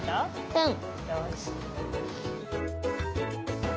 うん。